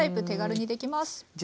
手軽にできます。